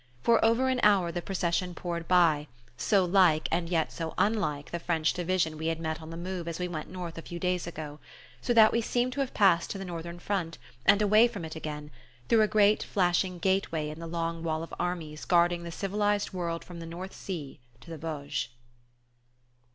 For over an hour the procession poured by, so like and yet so unlike the French division we had met on the move as we went north a few days ago; so that we seemed to have passed to the northern front, and away from it again, through a great flashing gateway in the long wall of armies guarding the civilized world from the North Sea to the Vosges.